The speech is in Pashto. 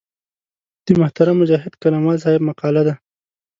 د محترم مجاهد قلموال صاحب مقاله ده.